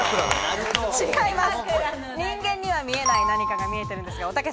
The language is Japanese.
人間には見えない何かが見えてるんですが。